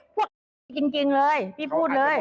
พวกนี้จริงเลยพี่พูดเลย